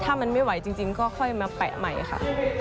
ถ้ามันไม่ไหวจริงก็ค่อยมาแปะใหม่ค่ะ